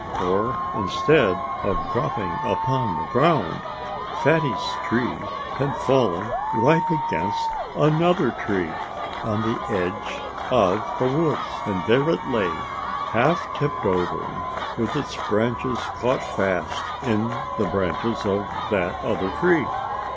For instead of dropping upon the ground, Fatty's tree had fallen right against another tree on the edge of the woods. And there it lay, half tipped over, with its branches caught fast in the branches of that other tree.